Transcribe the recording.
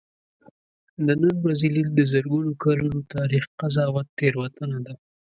د نن ورځې لید د زرګونو کلونو تاریخ قضاوت تېروتنه ده.